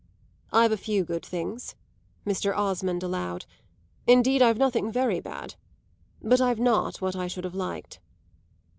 "I've a few good things," Mr. Osmond allowed; "indeed I've nothing very bad. But I've not what I should have liked."